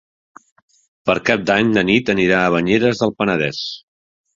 Per Cap d'Any na Nit anirà a Banyeres del Penedès.